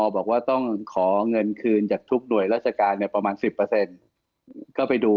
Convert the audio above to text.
บอกว่าต้องขอเงินคืนจากทุกหน่วยราชการประมาณ๑๐ก็ไปดู